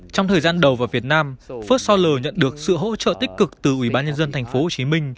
trong thời gian đầu vào việt nam first solar nhận được sự hỗ trợ tích cực từ ủy ban nhân dân tp hcm